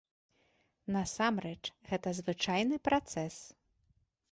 Насамрэч, гэта звычайны працэс.